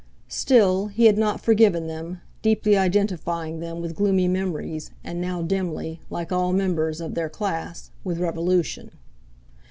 Still, he had not forgiven them, deeply identifying them with gloomy memories, and now, dimly, like all members, of their class, with revolution.